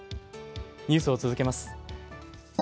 ニュースを続けます。